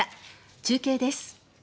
中継です。